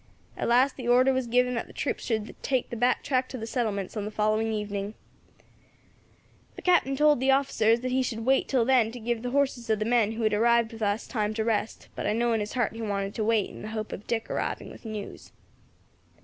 At last the order was given that the troops should take the back track to the settlements on the following evening. [Illustration: THE ESCAPE OF THE CAPTAIN'S DAUGHTER.] "The Captain told the officers that he should wait till then to give the horses of the men who had arrived with us time to rest; but I know in his heart he wanted to wait in the hope of Dick arriving with news.